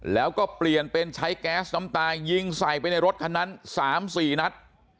แล้วก็เปลี่ยนเป็นใช้แก๊สน้ำตายิงใส่ไปในรถคันนั้น๓๔นัด